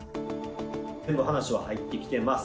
全部話は入ってきています。